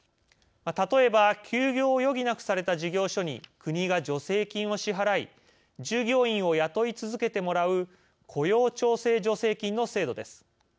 例えば休業を余儀なくされた事業所に国が助成金を支払い従業員を雇い続けてもらう雇用調整助成金の制度です。